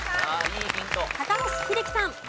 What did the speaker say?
高橋英樹さん。